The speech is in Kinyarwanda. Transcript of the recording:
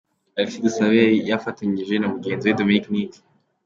Alexis Dusabe yari afatanyije na mugenzi we Dominic Nic.